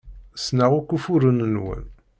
Ssneɣ akk ufuren-nwen.